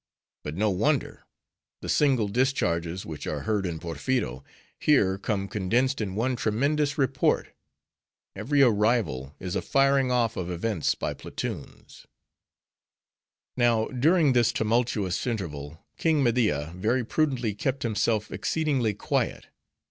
But no wonder. The single discharges which are heard in Porpheero; here come condensed in one tremendous report. Every arrival is a firing off of events by platoons." Now, during this tumultuous interval, King Media very prudently kept himself exceedingly quiet.